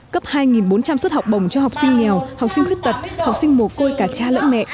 cấp hai bốn trăm linh suất học bổng cho học sinh nghèo học sinh khuyết tật học sinh mồ côi cả cha lẫn mẹ